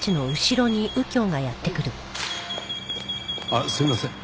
あっすいません。